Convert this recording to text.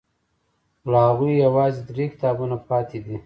له هغوی یوازې درې کتابونه پاتې دي.